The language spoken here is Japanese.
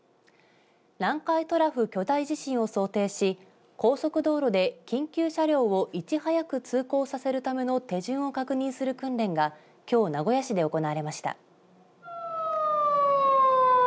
南海トラフ巨大地震を想定し高速道路で緊急車両をいち早く通行させるための手順を確認する訓練がきょう名古屋市で行われました。